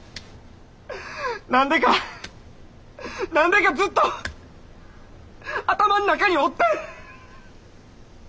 何でか何でかずっと頭ん中におって。